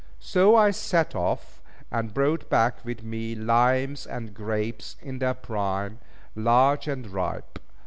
So I set off, and brought back with me limes and grapes in their prime, large and ripe.